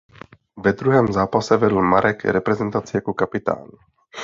Ve druhém zápase vedl Marek reprezentaci jako kapitán.